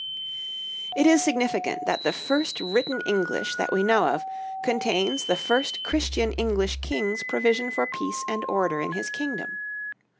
It is significant that the first written English that we know of contains the first Christian English king's provision for peace and order in his kingdom.